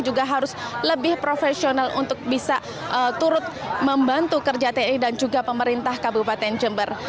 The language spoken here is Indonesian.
juga harus lebih profesional untuk bisa turut membantu kerja te dan juga pemerintah kabupaten jember